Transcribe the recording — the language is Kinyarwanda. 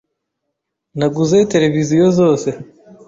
Naguze televiziyo zose.